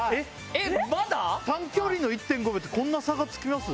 短距離の１．５秒ってこんな差がつきます？